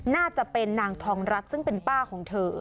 น่าจะเป็นนางทองรัฐซึ่งเป็นป้าของเธอ